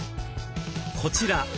こちら。